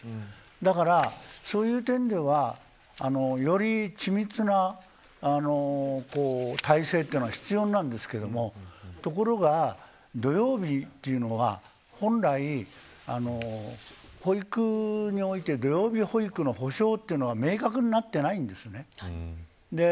だから、そういう点ではより緻密な体制が必要なんですけれどもところが、土曜日というのは本来保育において土曜日保育の保証は明確になっていないんですね。